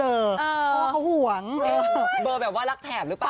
เพราะว่าเขาห่วงเบอร์แบบว่ารักแถบหรือเปล่า